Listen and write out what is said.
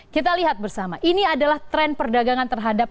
kita lihat bersama ini adalah tren perdagangan terhadap